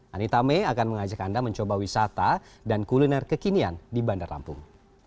anita may akan mengajak anda mencoba wisata dan kuliner kekinian di bandar lampung